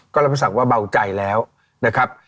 ก็รับประสักว่าเบาใจแล้วนะครับ